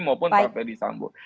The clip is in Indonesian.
maupun pak ferdisambo